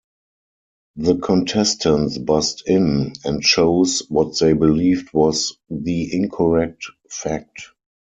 The contestants buzzed in and chose what they believed was the incorrect fact.